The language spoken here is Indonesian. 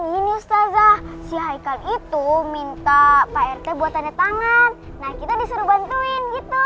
ini staza si haikal itu minta pak rt buat tanda tangan nah kita disuruh bantuin gitu